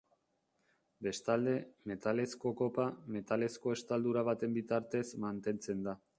Bestalde, metalezko kopa, metalezko estaldura baten bitartez mantentzen da.